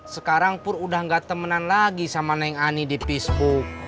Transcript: sekarang pur udah nggak temenan lagi sama neng ani di facebook begitu